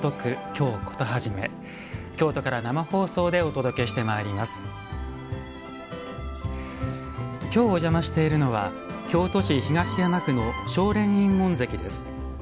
きょう、お邪魔しているのは京都市東山区の青蓮院門跡です。